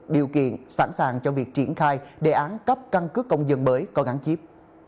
điều kiện sẵn sàng cho việc triển khai đề án cấp căn cứ công dân mới có gắn chip